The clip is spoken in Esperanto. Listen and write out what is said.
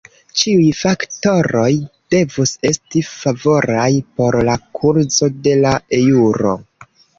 Ĉiuj faktoroj devus esti favoraj por la kurzo de la eŭro.